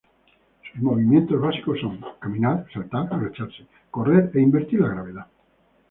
Sus movimientos básicos son: caminar, saltar, agacharse, correr e invertir la gravedad.